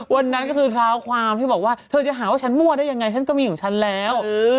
วันนั้นก็คือเท้าความที่บอกว่าเธอจะหาว่าฉันมั่วได้ยังไงฉันก็มีของฉันแล้ว